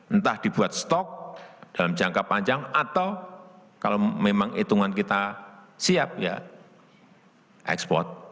entah dibuat stok dalam jangka panjang atau kalau memang hitungan kita siap ya ekspor